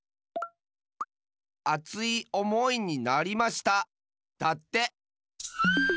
「あついおもいになりました」だって！